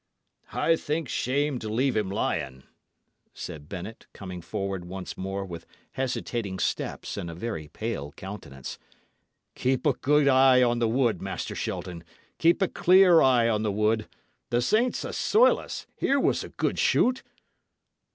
"I think shame to leave him lying," said Bennet, coming forward once more with hesitating steps and a very pale countenance. "Keep a good eye on the wood, Master Shelton keep a clear eye on the wood. The saints assoil us! here was a good shoot!"